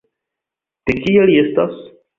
De kie li estas?